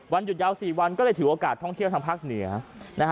หยุดยาว๔วันก็เลยถือโอกาสท่องเที่ยวทางภาคเหนือ